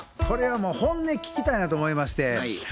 これはもう本音聞きたいなと思いまして。